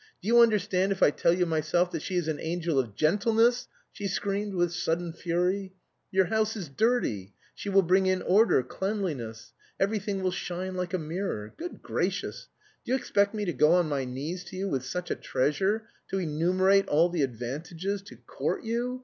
Do you understand if I tell you myself that she is an angel of gentleness!" she screamed with sudden fury. "Your house is dirty, she will bring in order, cleanliness. Everything will shine like a mirror. Good gracious, do you expect me to go on my knees to you with such a treasure, to enumerate all the advantages, to court you!